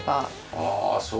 ああそう。